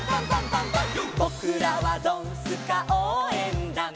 「ぼくらはドンスカおうえんだん」